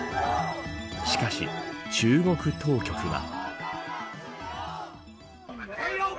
しかし、中国当局は。